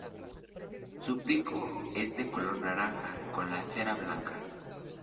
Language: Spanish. Su pico es de color naranja con la cera blanca.